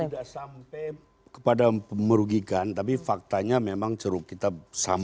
tidak sampai kepada merugikan tapi faktanya memang ceruk kita sama